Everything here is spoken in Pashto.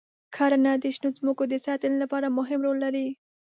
کرنه د شنو ځمکو د ساتنې لپاره مهم رول لري.